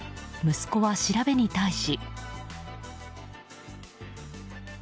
息子は、調べに対し。